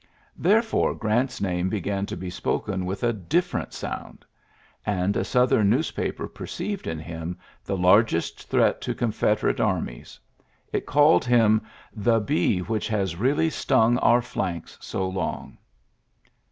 Therefore, Grant's name began to ye si>oken with a different sound. And b Southern newspaper perceived in him he largest threat to Confederate armies. t called him '^the bee which has really tung our flanks so long.''